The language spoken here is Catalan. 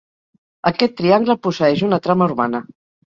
Aquest triangle posseeix una trama urbana.